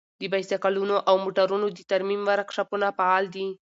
د بايسکلونو او موټرونو د ترمیم ورکشاپونه فعال دي.